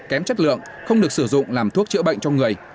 kém chất lượng không được sử dụng làm thuốc chữa bệnh cho người